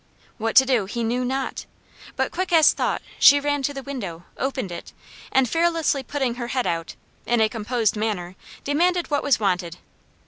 What to do he knew not, but, quick as thought, she ran to the window, opened it, and, fearlessly putting her head out, in a composed manner demanded what was wanted.